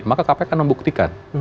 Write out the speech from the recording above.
maka kpk membuktikan